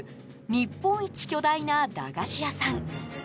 日本一巨大な駄菓子屋さん。